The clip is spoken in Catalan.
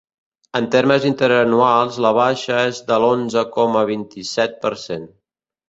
En termes interanuals, la baixa és de l’onze coma vint-i-set per cent.